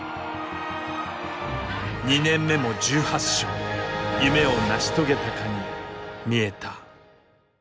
２年目も１８勝夢を成し遂げたかに見えた。